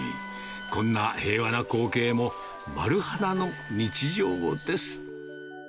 こんな平和な光景も、丸花の日常です。